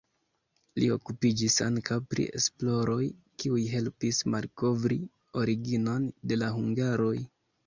Li okupiĝis ankaŭ pri esploroj, kiuj helpis malkovri originon de la hungaroj.